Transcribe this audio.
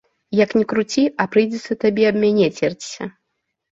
Як ні круці, а прыйдзецца табе аб мяне церціся.